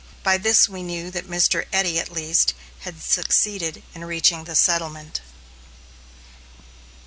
By this we knew that Mr. Eddy, at least, had succeeded in reaching the settlement.